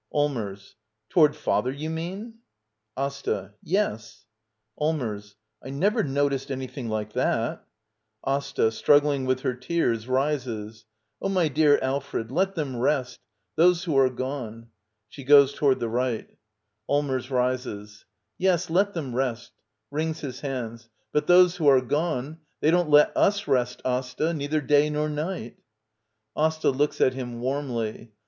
Allmers. Toward father, do you mean? AsTA. Yes. Allmers. I never noticed an3rthing like that. AsTA. [Struggling with her te^s, rises.] Oh, my dear Alfred — let them rest — those who^ arc gone. [She goes toward the right.] 60 d by Google Act 11. ^ LITTLE EYOLF Allmers. [Rises,] Yes, let them rest [Wrings his hands.] But those who are gone — >diey don't let us rest, Asta. Neither day nor night. AsTA. [Looks at him warmly.